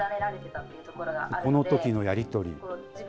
このときのやり取り。